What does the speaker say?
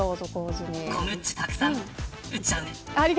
コムッチたくさん売っちゃうね。